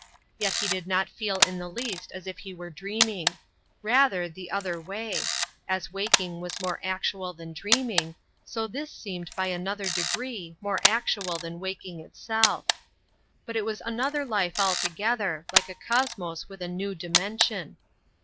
Yet he did not feel in the least as if he were dreaming; rather the other way; as waking was more actual than dreaming, so this seemed by another degree more actual than waking itself. But it was another life altogether, like a cosmos with a new dimension.